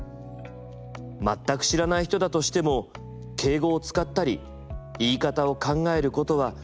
全く知らない人だとしても敬語を使ったり言い方を考えることは本当に大事だと思う」。